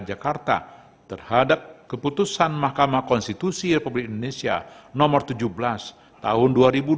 jakarta terhadap keputusan mahkamah konstitusi republik indonesia nomor tujuh belas tahun dua ribu dua puluh